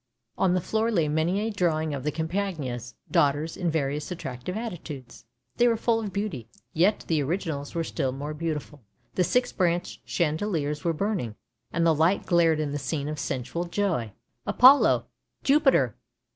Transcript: On the floor lay many a drawing of the Campagna's daughters in various attractive attitudes: they were full of beauty, yet the originals were still more beautiful. The six branched chandeliers were burning, and the light glared in the scene of sensual joy. "Apollo! Jupiter!